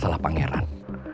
masalah pak ngeran